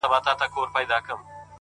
o ساقي خراب تراب مي کړه نڅېږم به زه ـ